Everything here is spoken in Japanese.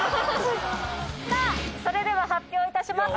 さあそれでは発表致します。